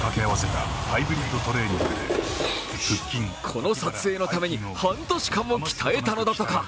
この撮影のために半年間も鍛えたのだとか。